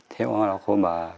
thế ông lọc hô bảo